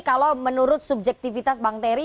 kalau menurut subjektivitas bang terry